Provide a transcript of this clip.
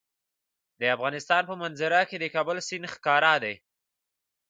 د افغانستان په منظره کې د کابل سیند ښکاره ده.